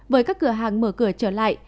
với các cửa hàng mở cửa trở lại